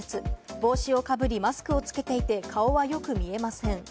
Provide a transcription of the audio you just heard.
帽子をかぶり、マスクをつけていて、顔はよく見えません。